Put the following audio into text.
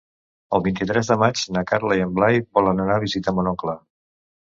El vint-i-tres de maig na Carla i en Blai volen anar a visitar mon oncle.